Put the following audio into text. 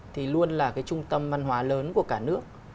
thì luôn là cái trung tâm văn hóa lớn của cả nước